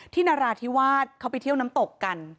นราธิวาสเขาไปเที่ยวน้ำตกกัน